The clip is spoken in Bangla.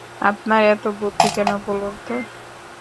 আপনার এত বুদ্ধি কেন বলুন তো?